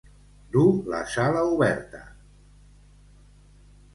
Dur la sala oberta.